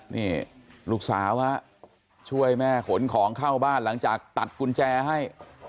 นี่ลูกสาวฮะช่วยแม่ขนของเข้าบ้านหลังจากตัดกุญแจให้